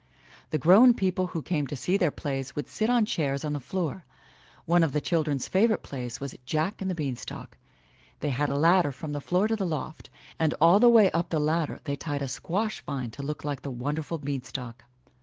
The grown people who came to see their plays would sit on chairs on the floor. One of the children's favorite plays was Jack and the Beanstalk. They had a ladder from the floor to the loft, and all the way up the ladder they tied a squash vine to look like the wonderful beanstalk.